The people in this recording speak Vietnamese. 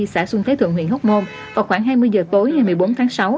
xã xuân thế thượng huyện hốc môn vào khoảng hai mươi h tối ngày một mươi bốn tháng sáu